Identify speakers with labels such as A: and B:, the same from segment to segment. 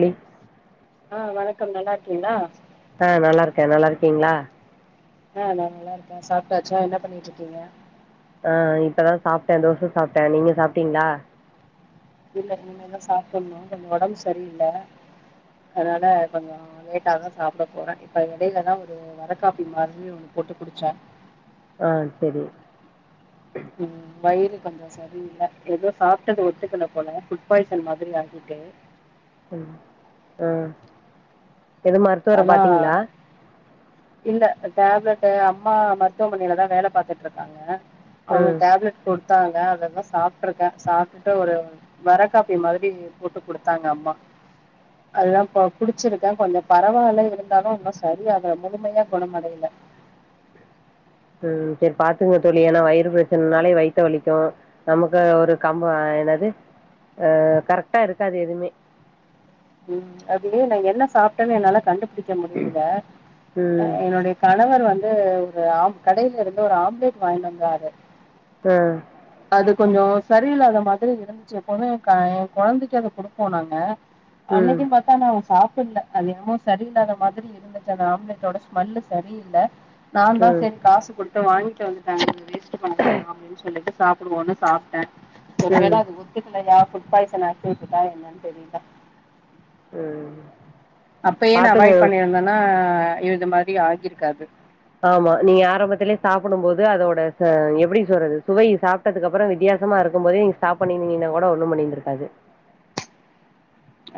A: ம்
B: ஆ வணக்கம் நல்லா இருக்கீங்களா
A: அ நல்லா இருக்க நல்லா இருக்கீங்களா
B: அ நா நல்லா இருக்க சாப்டாச்சா என்ன பண்ணிட் இருக்கீங்க
A: அ இப்பதா சாப்டே தோச சாப்டே நீங்க சாப்டீங்களா
B: இல்ல இனிமேதா சாப்பிட்ணு கொஞ்சொ ஒடம்பு சரியில்ல அதனால கொஞ்சொ லேட்டாதா சாப்பிட போற இப்ப எடயிலதா ஒரு வர காப்பி மாதிரி போட்டு குடிச்ச
A: ஆ செரி
B: ம் வயிறு கொஞ்சொ சரியில்ல எதோ சாப்டது ஒத்துக்கல போல ஃபுட் பாய்சன் மாதிரி ஆகிட்டு
A: செரி ‌ஆ
B: அதா இல்ல டேப்லெட்டு அம்மா மருத்துவமனைல தா வேல பாத்துட்ருக்காங்க அவுங்க
A: ம்
B: டேப்லெட் குடுத்தாங்க அததா சாப்ட்ருக்கே சாப்ட்டுட்டு ஒரு வரக்காப்பி மாதிரி போட்டு குடுத்தாங்க அம்மா அதுதா பா குடிச்சிருக்கே கொஞ்சொ பரவால்ல இருந்தாலு இன்னு சரியாகல முழுமயா குணமடைல
A: ம் செரி பாத்துங்க தோழி ஏனா வயிறு பிரச்சனனாலே வயித்த வலிக்கு நமக்கு ஒரு கம்பா என்னது ஆ கரெக்டாருக்காது எதுமே
B: ம் அது நா என்ன சாப்ட்டேன்னு என்னால கண்டுபுடிக்க முடியில ஆ
A: ம்
B: என்னுடைய கணவர் வந்து ஒரு ஆம் கடைலருந்து ஒரு ஆம்லேட் வாய்ன்ட்டு வந்தாரு
A: ஆ
B: அது கொஞ்சொ சரியில்லாத மாதிரி இருந்துச்சு எப்போமே க எ கொழந்தைக்கு அத குடுப்போ நாங்க
A: ம்
B: அன்னைக்கின் பாத்து ஆனா அவேன் சாப்பிட்ல அது என்னமோ சரியில்லாத மாதிரி இருந்துச்சு அந்த ஆம்லேட்டோட ஸ்மெல்லு சரியில்ல நா தா
A: ம்
B: செரி காசு குடுத்து வாய்ன்ட்டு வந்துட்டாங்க இத வேஸ்ட்டு பண்ண வேணா அப்டின் சொல்லிட்டு சாப்டுவோன்னு சாப்ட்டே ஒருவேள
A: ம்
B: அது ஒ த்துக்லயா ஃபுட் பாய்சன் ஆக்கி விட்டுட்டா என்னன் தெரில
A: ஆ
B: அப்பயே நா அவாய்ட் பண்ணியிருந்தேன்னா இது மாரி ஆகிருக்காது
A: ஆமா நீங்க ஆரம்பத்திலே சாப்பிடும் போது அதோட ச எப்டி சொல்றது சுவை சாப் ட்டதுக்கப்றோ வித்தியாசமா இருக்கும் போதே நீங்க ஸ்டாப் பண்ணிருந்தீங்கனா கூட ஒண்ணு பண்ணிருந்துருக்காது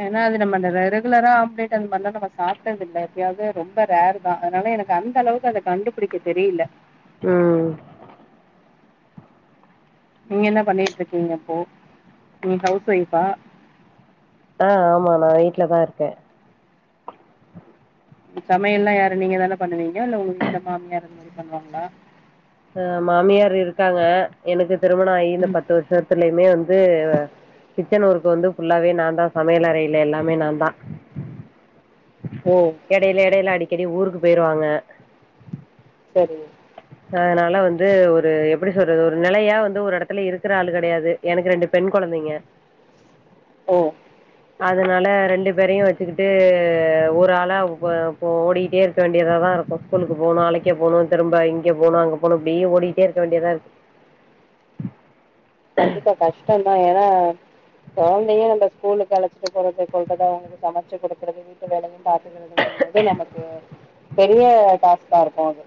B: ஏனா அது நம்ம ரெ ரெகுலரா ஆம்லேட் அந்த மார்லா நம்ம சாப்ட்டதில்ல எப்பயாது ரொம்ப ரேரு தா அதனால எனக்கு அந்தளவுக்கு அத கண்டுபிடிக்க தெரில
A: ம்
B: நீங்க என்ன பண்ணிட்ருக்கீங்க இப்போ நீங் ஹவுஸ் ஒய்ஃபா
A: ஆ ஆமா நா வீட்ல தாருக்கே
B: ம் சமையல்லா யாரு நீங்க தானே பண்ணுவீங்க இல்ல உங்க வீட்ல மாமியார் அந்மாரி பண்ணுவாங்ளா
A: ஆ மாமியார் இருக்காங்க எனக்கு திருமண ஆயி இந்த
B: ம்
A: பத்து வர்ஷத்துலயுமே வந்து கிச்சன் ஒர்க்கு வந்து ஃபுல்லாவே நாந்தா சமையல் அறைல எல்லாமே நாந்தா
B: [inaudible] ஓ
A: எடைல எடைல அடிக்கடி ஊருக்கு போய்ருவாங்க
B: செரி
A: அதனால வந்து ஒரு எப்டி சொல்றது ஒரு நிலையா வந்து ஒரு எடத்துல இருக்ற ஆள் கெடயாது எனக்கு ரெண்டு பெண் கொழந்தைங்க
B: ஓ
A: அதனால ரெண்டு பேரையு வச்சுக்கிட்டு ஒரு ஆளா வ ஒ ஓடிக்கிட்டேரு க்க வேண்டியதா தா இருக்கு ஸ்கூலுக்கு போனு அழைக்க போனு திரும்ப இங் க போனு அங்க போனு இப்டி ஓடிட்டே இருக்க வேண்டியதாருக்கு
B: கண்டிப்பா கஷ்டொந்தா ஏனா கொழந்தையு நம்ப ஸ்கூலுக்கு அழச்சிட்டு போறது சொல்றத அவுங்களுக்கு சமச்சு குடுக்குறது வீட்டு வேலயு பாத்துகறது அப்டிங்கும்போது நமக்கு பெரிய டாஸ்காருக்கு அது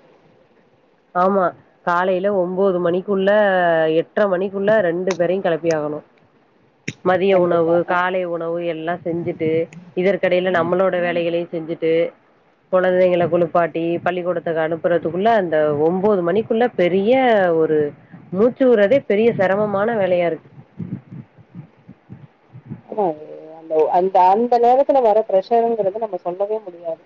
A: ஆமா காலைல ஒம்போது மணிக்குள்ள எட்ர மணிக்குள்ள ரெண்டு பேரயு கெளப்பியாகனு
B: [inaudible]
A: மதிய
B: கண்டிப்பா
A: உணவு
B: ஆ
A: காலை உணவு எல்லா செஞ்சிட்டு இதற்கெடையில நம்மளோட வேலைகளையு செஞ்சிட்டு கொழந்தைங்கள குளிப்பாட்டி பள்ளிக்கூடத்துக்கு அனுப்புறதுக்குள்ள அந் த ஒம்போது மணிக்குள்ள பெரிய ஒரு மூச்சு வுட்றதே பெரிய செரமமான வேலையா இருக்கு
B: ஆனா அது அந்த அந்த அந்த நேரத்துல வர்ற ப்ரஷர்ங்கிறத நம்ம சொல்லவே முடியாது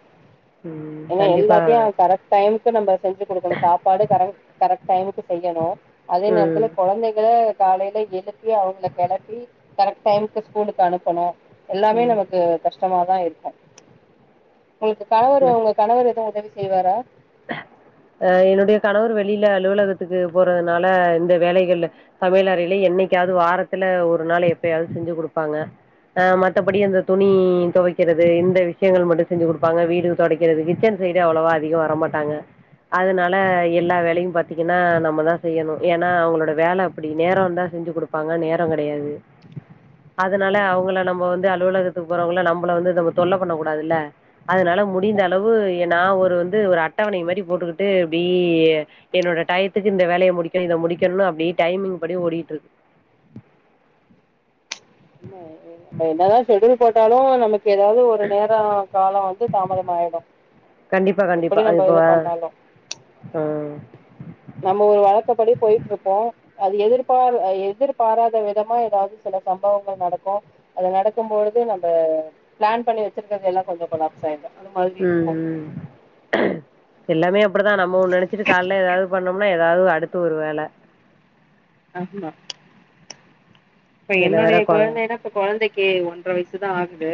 A: ம்
B: ஏன்னா
A: கண்டிப்பா
B: எல்லாத்தையு கரெக்ட் டைமுக்கு நம்ம செஞ்சி குடுக்கணு சாப்பாடு கரங் கரெக்ட் டைமுக்கு செய்யணு அதே
A: ம்
B: நேரத்துல கொழந்தைகள காலைல எழுப்பி அவங்கள கெளப்பி கரெக் டைம் க்கு அனுப்பணு எல்லாமே
A: ம்
B: நமக்கு கஷ்டமாதா இருக்கு உங்களுக்கு கணவரு
A: இல்ல
B: உங்க கணவர் எதுவு உதவி செய்வாரா
A: ஆ என்னுடைய கணவர் வெளில அலுவலகத்துக்கு போறதுனால இந்த வேலைகள்ல சமயலறையில என்னைக்காது வாரத்துல ஒரு நாள் எப்பயாது செஞ்சி குடுப்பாங்க ஆ மத்தபடி அந்த துணி தொவைக்கிறது இந்த விஷயங்கள் மட்டு செஞ்சி குடுப்பாங்க வீடு தொடைக்கிறது கிச்சன் சைடு அவ்ளவா அதிகோ வரமாட்டாங்க அதனால எல்லா வேலையு பாத்திங்கன்னா நம்ம தா செய்யணு ஏன்னா அவுங்களோட வேல அப்டி நேரோ இருந்தா செஞ்சி குடு ப்பாங்க நேரோ கெடையாது
B: [inaudible]
A: அதனால அவங்கள நம்ம வந்து அலுவலகத்துக்கு போறவங்கள நம்பள வந்து நம்ம தொல்ல பண்ண கூடாதுல்ல அதனால மு டிந்த
B: கண்டிப்பா
A: அளவு நா ஒரு வந்து ஒரு அட்டவணை மாரி போட்டுக்கிட் டு இப்டி என்னோட டயத்துக்கு இந்த வேலய முடிக்கணு இத முடிக்கணுன்னு அப்டியே டைமிங் படி ஓடிட்ருக்கு
B: என்ன அ ஏ நம்ப என்னதா ஷெட்யூல் போட்டாலு நமக்கு ஏதாவது ஒரு நேரோ காலோ வந்து தாமதம் ஆயிடு
A: கண்டிப்பா கண்டிப்பா
B: எப்படி
A: அது
B: நம்ம
A: இப்ப
B: இது பண்ணாலு
A: ஆ
B: நம்ம ஒரு வழக்க படி போயிட்ருப்போ அது எதிர்பா எதிர்பாராத விதமா எதாவது சில சம்பவங்கள் நடக்கு அது நடக்கும் பொழுது நம்ம பிளான் பண்ணி வச்சிருக்குறத எல்லா கொஞ்சோ கொலாப்ஸ் சரிக்கா அந்த மாரி
A: ம் ம் எல்லாமே அப்டிதா நம்ம ஒண்ணு நெனச்சிட்டு காலைல ஏதாவது பண்ணோம்னா எதாவது அடுத்து ஒரு வேல
B: ஆமா இப்ப
A: இதுல வேற
B: என்னுடைய
A: கொழ
B: கொழந்தைன்னா இப்ப கொழந்தைக்கி ஒன்ற வயசு தா ஆகுது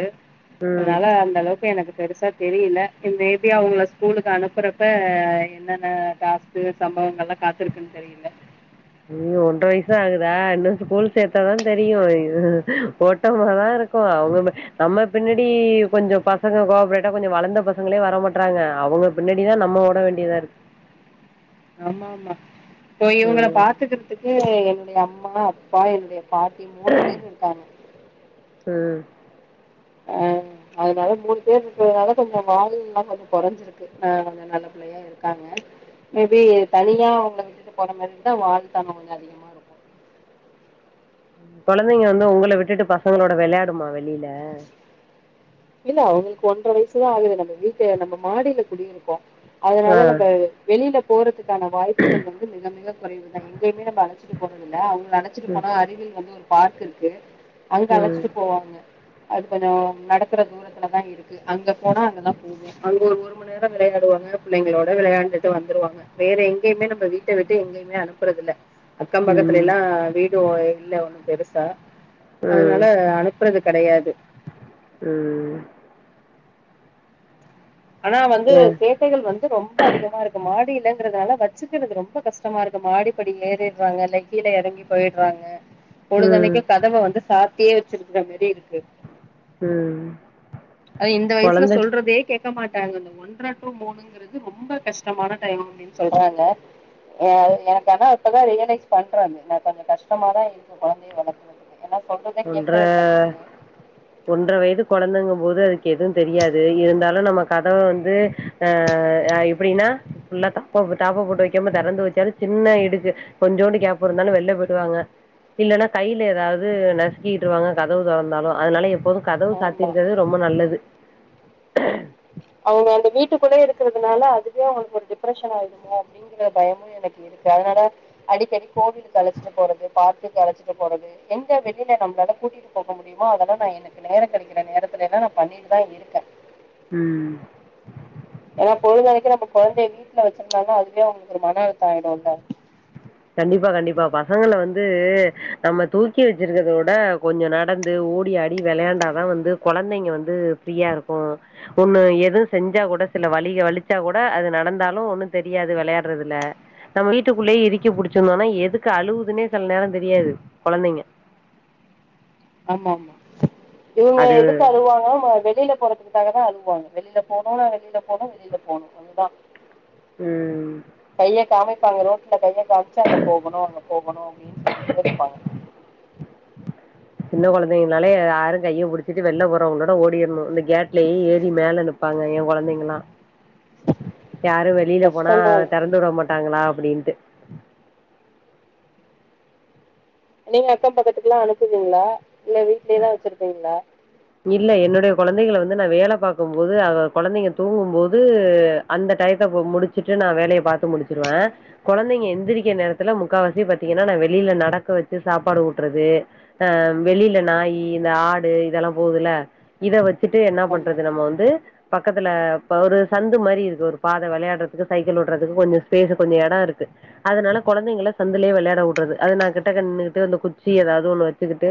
A: ம்
B: அதனால அந்த அளவுக்கு எனக்கு பெருசா தெரியல மே பி அவுங்கள ஸ்கூலுக்கு அனுப்புறப்ப என்னென்ன டாஸ்கு சம்பவங்கல்லா காத்துருக்குன்னு தெரியல
A: ஓ ஒன்ற வயசுதா ஆகுதா இன்னு ஸ்கூல் சேத்தாதா தெரியு இது ஓட்டமாதா இருக் கு அங்கன்னு நம்ம பின்னாடி கொஞ்சோ பசங்க கோப்ரேட்டா கொஞ்சோ வளந்த பசங்களே வர மாட்றாங்க அவுங்க பின்னாடி தா நம்ம ஓட வேண்டியதா இருக்கு
B: ஆமா ஆமா இப்போ இவுங்கள
A: ம்
B: பாத்துக்குறதுக்கு என்னுடைய அம்மா அப்பா என்னுடைய பாட்டி மூணு பேர் இருக்காங்க
A: ம்
B: ஆ அதுனால மூணு பேர் இருக்குறதுனால கொஞ்சோ வாலு எல்லா கொஞ்சோ கொறைஞ்சிருக்கு ஆ கொஞ்சோ நல்ல பிள்ளை யா இருக்காங்க மேபி தனியா அவுங்கள விட்டுட்டு போற மாரி இருந்தா வாலு தனோ கொஞ்சோ அதிகமா இருக்கு
A: கொழந்தைங்க வந்து உங்கள விட்டுட்டு பசங்களோட வெளாடுமா வெளில
B: இல்ல அவுங்களுக்கு ஒன்ற வயசுதா ஆகுது நம்ம வீட்ட நம்ம மாடில குடியிருக்கோ
A: ஆ
B: அதனால நம்ப வெளில போறதுக்கான வாய்ப்புகள் வந்து மிக மிக கொறைவுதா எங்கயுமே நம்ம அழச்சிட்டு போறதில்ல அவுங்ள அழ ச்சிட்டு
A: ம்
B: போனா அருகில் வந்து ஒரு பார்க் இருக்கு அங்க
A: ம்
B: அழச்சிட்டு போவாங்க அது கொஞ்சோம் நடக் குற தூரத்துலதா இருக்கு அங்க போனா அங்கதா போ வோ அங்க ஒரு ஒருமநேரோ விளையாடுவாங்க பிள்ளைங்களோட விளையாண்டுட்டு வந்துருவாங்க வேற எங்கேயுமே நம்ம வீட்ட விட்டு எங்கேயுமே அனுப்புறதில்ல அக்கம்
A: ம் ம்
B: பக்கத்துலேலா வீடு இல்ல ஒன்னு பெருசா அதுனால அனு ப்றது கெடையாது
A: ம்
B: ஆனா வந்து
A: ம்
B: சேட் டைகள் வந்து ரொம்ப அதிகமா இருக்கு மாடி இல்லங்குறதுனால வச்சுக்குறது ரொம்ப கஷ்டமா இருக்கு மாடி படில ஏறிற்றாங்க இல்லை கீழ எறங்கி போய்ட்றாங்க
A: ம்
B: பொழுதன்னைக்கு கதவ வந்து சாத்தியே வச்சிருக்குற மாரி இருக்கு
A: ம்
B: அது இந்த வய்சுல
A: கொழந்த
B: சொல்றதே கே க்க மாட்டாங்க அந்த ஒன்ற ட்டூ மூணுங்குறது ரொம்ப கஷ்டமான டைம் அப்டின் சொல்றாங்க அ எனக்கு ஆனா இப்பதா ரியலைஸ் பண்றாங்க நா கொஞ்சோ கஷ்டமாதா இருக்கு கொழந்தைய வளக்குறது எனா சொல்றதே கேக்குறது கெடையாது
A: ஒன்ற வயது கொழந்தங்கபோது அதுக்கெது தெரியாது இருந்தாலு நம்ம கதவ வந்து ஆ அ எப்புடினா ஃபுல்லா தாப்பாவு தாப்பா போட்டு வைக்காம தெறந்து வச்சாலு சின்ன இடுக்கு கொஞ்சோன்டு கேப் இருந்தாலு வெள்ல போய்டுவாங்க இல்லனா கைல எதாவ்து ந ஸ்க்கி இட்ருவாங்க கதவு தொறந்தாலு அதுனால எப்போது கதவு
B: ஆமா
A: சாத்திருக்குறது ரொம்ப நல்லது
B: அவ்ங்க அந்த வீட்டுக்குள்ளயே இருக்குறதுனால அதுவே அவுங்குளுக்கு ஒரு டிப்ரஷன் ஆய்டுமோ அப்டி ங்குற பயமு எனக்கு இருக்கு அதுனால அடிக்கடி கோவிலுக்கு அழச்சிட்டு போறது பார்க்குக்கு அழச்சிட்டு போறது எங்க வெளில நம்ளால கூட்டிட்டு போக முடியுமோ அதெல்லா நா என க்கு நேரங் கெடைக்கிற நேரத்துலேலா நான் பண்ணிட்டுதா இருக்க
A: ம்
B: ஏனா பொழுதனைக்கு நம்ம கொழந்தைய வீட்ல வச்சிருந்தோனா அதுவே அவுங்ளுக்கு ஒரு மன அழுத்தோ ஆய்டுல
A: கண்டிப்பா கண்டிப்பா பசங்கள வந்து நம்ம தூக்கி வச்சிருக்கற்த உட கொஞ்சோ நடந்து ஓடி ஆடி வெளையாண்டா தா வந்து கொழந்தைங்க வந்து ஃப்ரீயா இருக்கு ஒன்னு எது செஞ்சா கூட சில வலிக வலிச்சா கூட அது நடந்தாலு ஒன்னு தெரியாது வெளையாட்றதுல நம் வீட்டுக்குள்ளயே இரிக்கி புடிச்சிருந்தோனா எதுக்கு அழுகுதுனே சில நேரோ தெரியாது கொழந்தைங்க
B: ஆமாம்மா இவுங்க
A: அது
B: எதுக்கு அழுவாங்க மா வெளில போறதுக் காகதா அழுவாங்க வெளில போனு நா வெளில போனு வெளில போனு அதுதா
A: ம்
B: கைய காமிப்பாங்க ரோட்ல கைய காம்ச்சு அங்க போகணு அங்க போகணு அப்டின் சொல்லிட்டே இருப்பாங்க
A: சின்ன கொழந்தைங்கனாலே யாரு கைய புடிச்சிட்டு வெள்ல போறவங்குளோட ஓடிர்ணு இந்த கேட்லயு ஏறி மேல நிப் பாங்க ஏன் கொழந்தைங்குளா
B: [inaudible]
A: யாரு வெளில போனா
B: கஷ்டம் தான்
A: தெறந்துட மாட்டாங்குளா அப்டின்ட்டு
B: நீங்க அக்கம் பக்கத்துக்குலா அனுப்புவீங்ளா இல்ல வீட்லேதா வச்சிருப்பீங்ளா
A: இல்ல என்னுடைய குழந்தைங்கள வந்து நான் வேலை பாக்கும்போது அவ கொழந்தைங்க தூங்கும்போது அந்த டையத்தப்ப முடிச்சுட்டு நான் வேலைய பாத்து முடிச்சுருவ கொழந்தைங்க எந்திரிக்கிற நேரத்துல முக்காவாசி பாத்தீங்னா நான் வெளில நடக்க வச்சு சாப்பாடு ஊட்றது அ வெளில நாயி இந்த ஆடு இதெல்லா போதுல இத வச்சுட்டு என்ன
B: ஆமா
A: பண்றது நம்ம வந்து பக்கத்துல இப்ப ஒரு சந்து மாரி இருக்கு ஒரு பாத வெளையாட்றதுக்கு சைக்கிள் ஓட்றதுக்கு கொஞ்சோ ஸ்பேஸு கொஞ்சோ எடோ இருக்கு அதனால கொழந்தைங்கள சந்துலே வெளயாட வுட்றது அது நா கிட்டக்க நின்னுகிட்டு இந்த குச்சி எதாவ்து ஒண்ணு வச்சுக்கிட்டு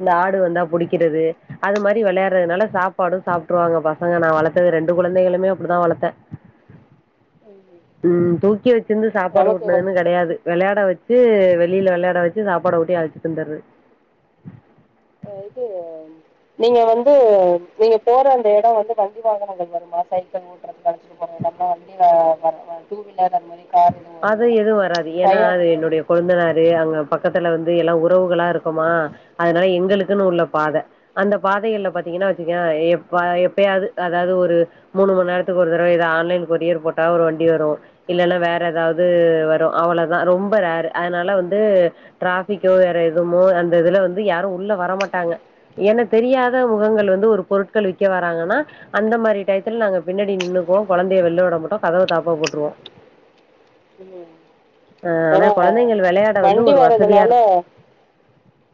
A: இந்த ஆடு வந்தா புடிக்கிறது அது மாரி வெளயாட்றதுனால சாப்பாடு சாப்ட்ருவாங்க பசங்க நா வளர்த்தது ரெண்டு குழந்தைகளுமே அப்டிதா வளத்தே
B: [inaudible] [inaudible]
A: ம் தூக்கி வ ச்சிந்து
B: நமக்கு
A: சாப்பாடுவூட்னதுன்னு கெடயாது வெளயாட வச்சு வெளில வெளயாட வச்சு சாப்பாட ஊட்டி அழச்சிட் வந்துர்றது
B: ஆ இது நீங்க வந்து நீங்க போற அந்த இடோ வந்து வன்டி வாகனங்கள் வருமா சைக்கிள் ஓ ட்றதுக் அழச்சிட்டு போறது நம்ம வண்டி வா வரவா டூ வீலர் அந்த மாரி கார் எதுவு
A: அது
B: வருமா
A: எதுவு வராது ஏனா
B: பயோ
A: அது என்னுடைய கொழுந்தனாரு அங்க பக்கத்துல வந்து எல்லா உறவுகளா இருக்கொமா அதனால எங்களுக்குன் உள்ள பாத அந்த பாதைகள்ல பாத்தீங்கன்னா வச்சுக்கே எப்ப எப்பயாது அதாவ்து ஒரு மூனு மண்நேரத்துக்கு ஒரு தடவ எதா ஆன்லைன் கொரியர் போட்டா ஒரு வண்டி வரு இல்லல்ல வே ற எதாவ்து வரு அவ்ளதா ரொம்ப ரேரு அதனால வந்து டிராஃபிக்கோ வேற எதுமோ அந்த இதுல வந்து யாரு உள்ள வரமாட்டாங்க ஏனா தெரியாத முகங்கள் வந்து ஒரு பொருட்கள் விக்க வராங்கன்னா அந்த மாரி டயத்துல நாங்க பின்னாடி நின்னுக்குவோ கொழந்தைய வெள்ல விட மாட்டோ கதவ தாப்பா போட்ருவோ
B: ம்
A: ஆனா
B: ஏனா
A: கொழந்தைங்கள் வெளையாட வந்து
B: வண்டி
A: ஒரு வசதியா
B: வர்றதுனால
A: இருக்கு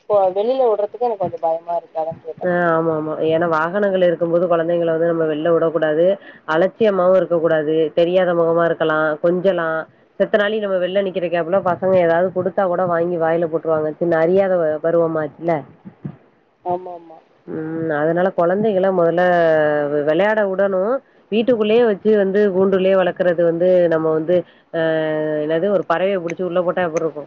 B: ஸோ வெளில வுட்றதுக்கு எனக்கு கொஞ்சொ பயமாருக்கு அதா கே
A: ஆ ஆமாமா ஏனா வாகனங்கள் இருக்கும்போது குழந்தைங்ள வந்து நம்ம வெள்ல விடக்கூடாது அலட்சியமாவு இருக்க கூடாது தெரியாத முகமா இருக்கலா கொஞ்சலா செத்தனாளி நம்ம வெள்ல நிக்கிற கேப்புல பசங்க எதாவ்து குடுத்தா கூட வாங்கி வாய்ல போட்ருவாங்க சின்ன அறியாத பருவமாச்சில
B: ஆமாமா
A: ம் அதனால கொழந்தைகள மொதல்ல வெளயாட வுடனு வீட்டுக்குள்ளே வச்சு வந்து கூண்டுலே வளர்க்கறது வந்து நம்ம வந்து ஆ என்னது ஒரு பறவய புடிச்சு உள்ள போட்டா எப்பிருக்கு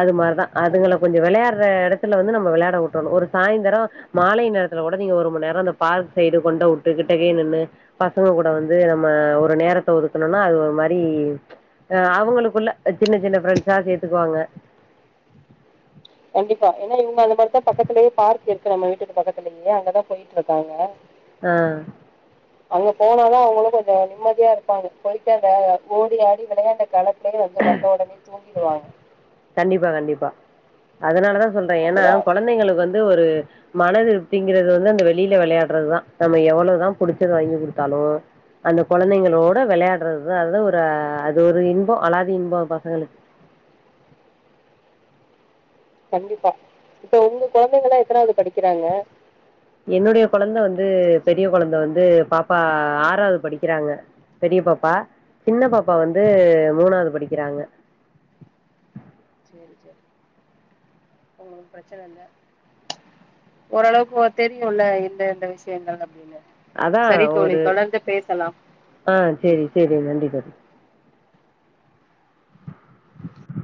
A: அது மார்தா அதுகள
B: ஆமா
A: கொஞ்சொ வெளயாட்ற எடத்துல வந்து நம்ம வெளயாட விட்றனு ஒரு சாயந்தரோ மாலை நேரத்துல கூட நீங்க ஒரு மண்நேரோ அந்த பார்க் சைடு கொண்ட வுட்டு கிட்டக்கே நின்னு பசங்க கூட வந்து நம்ம ஒரு நேரத்த ஒதுக்னோனா அது ஒரு மாரி ஆ அவுங்களுக்குள்ள சின்ன சின்ன ஃப்ரெண்ட்ஸா சேர்த்துக்குவாங்க
B: கண்டிப்பா ஏனா இவுங்க அந்த மாரி தா பக்கத்திலயே பார்க் இருக்கு நம்ம வீட்டுக்கு பக்கத்திலயே அங்கதா போய்ட்ருக்காங்க
A: ஆ
B: [inaudible] அங்க போனாதா அவுங்களு கொஞ்சொ நிம்மதியாருப்பாங்க போய்ட்டு அந்த ஓடி ஆடி விளயாண்ட கள ப்லே வந்து வந்தஒடனே தூங்கிடுவாங்க
A: கண்டிப்பா கண்டிப்பா அதனாலதா சொல்றே ஏனா கொழந்தைங்களுக்கு வந்து ஒரு மன திருப்திங்கறது வந்து அந்த வெளில வெளயாட்றதா நம்ம எவ்ளதா புடிச்சத வாங்கி குடுத்தாலு அந்த கொழந்தைங்களோட வெளயாட்றதா அதா ஒரு அது ஒரு இன்போ அலாதி இன்போ பசங்களுக்கு
B: கண்டிப்பா இப்ப உங்க கொழந்தைங்கள்லா எத்தனாவ்து படிக்கிறாங்க
A: என்னுடைய கொழந்த வந்து பெரிய கொழந்த வந்து பாப்பா ஆறாது படிக்கிறாங்க பெரிய பாப்பா சின்ன பாப்பா வந்து
B: ம்
A: மூனாது படிக்கிறாங்க
B: சேரி சேரி ஒங்களுக்கு பிரச்சன இல்ல ஓரளவுக்கு தெரியுல எந்தெந்த விஷ்யங்கள் அப்டின்னு
A: அதான்
B: செரி தோழி
A: ஒரு
B: தொடர்ந்து பேசலா
A: ஆ செரி செரி நன்றி தோழி